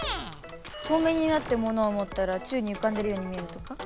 透明になってものをもったら宙にうかんでるように見えるとか？